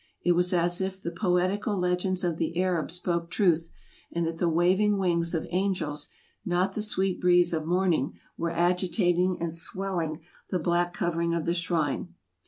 It was as if the poetical legends of the Arab spoke truth, and that the waving wings of angels, not the sweet breeze of morning, were agitating and swelling the black covering of the shrine.